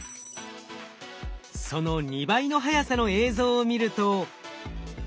その２倍の速さの映像を見ると。